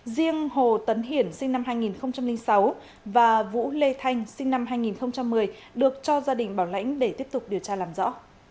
riêng hồ tấn hiển sinh năm hai nghìn sáu và vũ lê thanh sinh năm hai nghìn một mươi được cho gia đình bảo lãnh để tiếp tục điều tra làm rõ